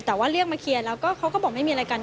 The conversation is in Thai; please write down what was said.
แต่ว่าเรียกมาเคลียร์แล้วก็เขาก็บอกไม่มีอะไรกัน